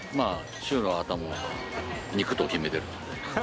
週の頭は肉と決めてるので。